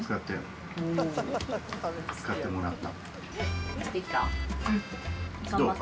使ってもらった。